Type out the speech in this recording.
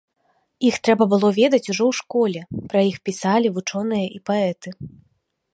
Іх трэба было ведаць ўжо ў школе, пра іх пісалі вучоныя і паэты.